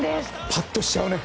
パッとしちゃうね。